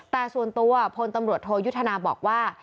แต่ส่วนตัวพลตำรวจโทยุทธนาบอกว่า